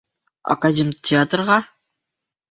Академтеатрға?!